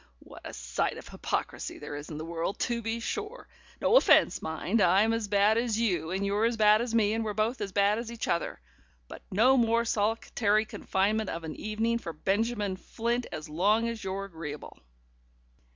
What a sight of hypocrisy there is in the world, to be sure! No offence mind: I'm as bad as you, and you're as bad as me, and we're both as bad as each other. But no more solitary confinement of an evening for Benjamin Flint, as long as you're agreeable."